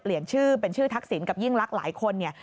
เปลี่ยนชื่อเป็นชื่อทักษิณกับยิ่งลักษณ์หลายคน